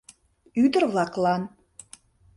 Ӱдыр-влаклан